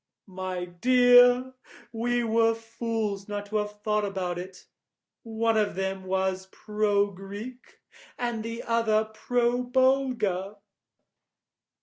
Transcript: "My dear, we were fools not to have thought of it. One of them was Pro Greek and the other Pro Bulgar."